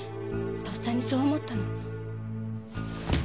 とっさにそう思ったの〕